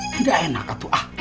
tidak enak itu